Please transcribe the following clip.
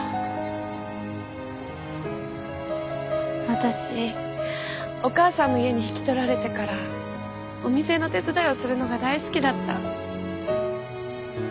私お母さんの家に引き取られてからお店の手伝いをするのが大好きだった。